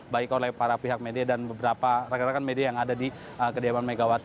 baik oleh para pihak media dan beberapa rekan rekan media yang ada di kediaman megawati